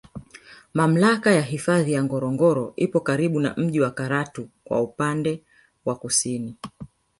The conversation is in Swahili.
Mamlaka ya hifadhi Ngorongoro ipo karibu na mji wa Karatu kwa upande wa kusini